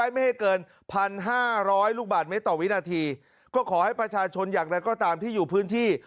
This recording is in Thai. ไม่ให้เกินพันห้าร้อยลูกบาทเมตรต่อวินาทีก็ขอให้ประชาชนอย่างไรก็ตามที่อยู่พื้นที่